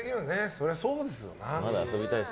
そりゃそうですよね。